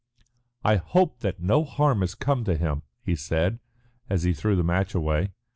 "I hope that no harm has come to him," he said, as he threw the match away.